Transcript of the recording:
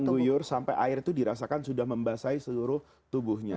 mengguyur sampai air itu dirasakan sudah membasahi seluruh tubuhnya